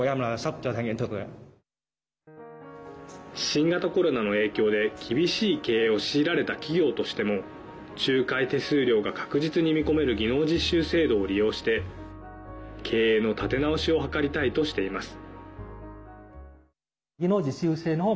新型コロナの影響で厳しい経営を強いられた企業としても仲介手数料が確実に見込める技能実習制度を利用して経営の立て直しを図りたいとしています。